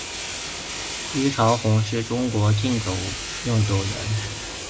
虞朝鸿是中国竞走运动员。